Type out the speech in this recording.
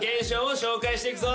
紹介していくぞ！